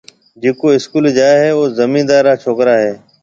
جڪو اسڪول جائيِ هيَ او زميندار را ڇوڪرا هيَ۔